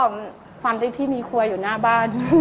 ความที่พี่มีครัวอยู่หน้าบ้าน